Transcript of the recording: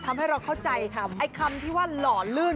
ทำให้เราเข้าใจไอ้คำที่ว่าหล่อลื่น